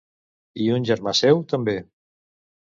I un germà seu també.